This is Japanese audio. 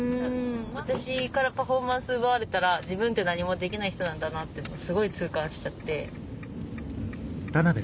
私からパフォーマンス奪われたら自分って何もできない人なんだなってのをすごい痛感しちゃって。